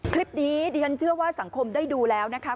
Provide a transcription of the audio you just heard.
คลิปนี้ดิฉันเชื่อว่าสังคมได้ดูแล้วนะคะ